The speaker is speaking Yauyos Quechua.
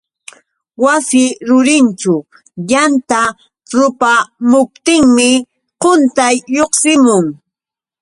Wasi rurinćhu yanta rupamuptinmi quntay lluqsimun.